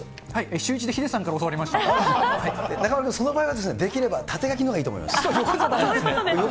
シューイチでヒデさんから教中丸君、その場合はできれば縦書きのほうがいいと思います。